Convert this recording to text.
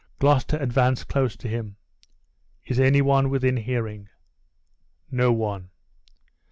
Gloucester advanced close to him. "Is any one within hearing?" "No one."